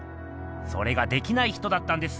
それができない人だったんです。